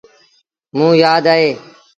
موݩ يآد اهي۔